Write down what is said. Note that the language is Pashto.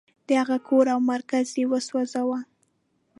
د هغه کور او مرکز یې وسوځاوه.